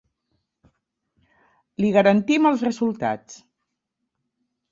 Li garantim els resultats.